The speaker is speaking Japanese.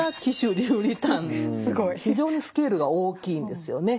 非常にスケールが大きいんですよね。